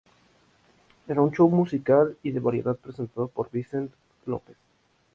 Era un show musical y de variedades presentado por Vincent Lopez.